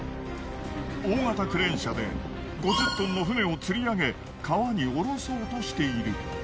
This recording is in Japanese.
大型クレーン車で５０トンの船をつり上げ川に下ろそうとしている。